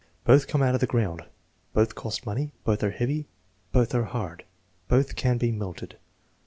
"Both come out of the ground." "Both cost money." "Both are heavy." "Both are hard." "Both can be melted."